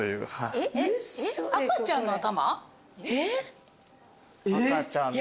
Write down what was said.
えっ赤ちゃんの頭？